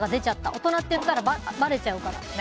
大人って言ったらばれちゃうから。